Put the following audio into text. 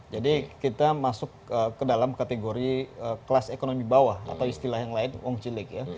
jadi kita masuk ke dalam kategori kelas ekonomi bawah atau istilah yang lain wong cilik